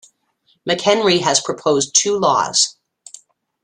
McHenry has proposed two laws.